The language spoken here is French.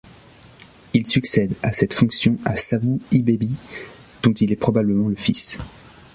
Il succède à cette fonction à Sabou Ibébi, dont il est probablement le fils.